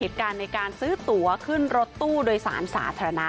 เหตุการณ์ในการซื้อตัวขึ้นรถตู้โดยศาลสาธารณะ